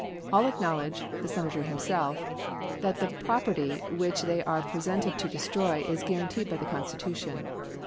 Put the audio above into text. All acknowledge the Senator himself that the property which they are presented to destroy is guaranteed by the Constitution.